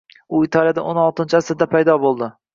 u Italiyada o'n oltinchi asrda paydo bo‘ldi.